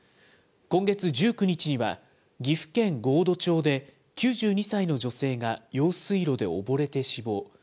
今月１９日には、岐阜県神戸町で９２歳の女性が用水路で溺れて死亡。